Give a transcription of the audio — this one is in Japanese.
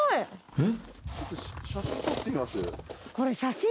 ［えっ？